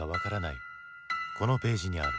このページにある。